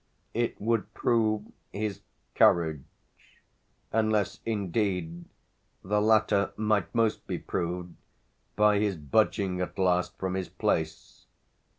It would prove his courage unless indeed the latter might most be proved by his budging at last from his place.